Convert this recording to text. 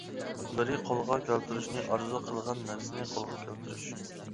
بىرى، قولغا كەلتۈرۈشنى ئارزۇ قىلغان نەرسىنى قولغا كەلتۈرۈش.